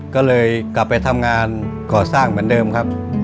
ก็เลยกลับไปทำงานก่อสร้างเหมือนเดิมครับ